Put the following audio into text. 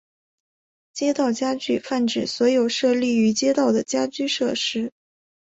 街道家具泛指所有设立于街道的家具设施。